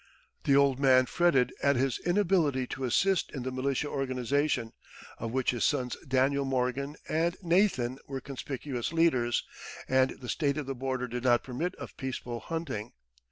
The old man fretted at his inability to assist in the militia organization, of which his sons Daniel Morgan and Nathan were conspicuous leaders; and the state of the border did not permit of peaceful hunting.